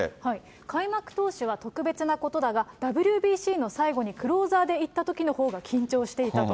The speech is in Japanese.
開幕投手は特別なことだが、ＷＢＣの最後にクローザーでいったときのほうが緊張していたと。